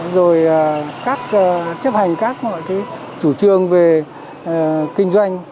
rồi chấp hành các chủ trương về kinh doanh